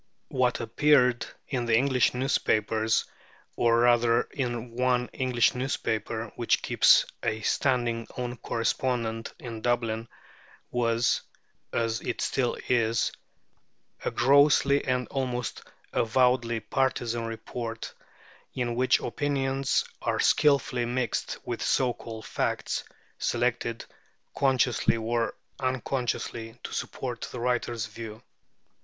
What appeared in the English newspapers, or, rather, in the one English newspaper which keeps a standing "own correspondent" in Dublin, was (as it still is) a grossly and almost avowedly partisan report, in which opinions are skilfully mixed with so called facts, selected, consciously or unconsciously, to support the writer's view.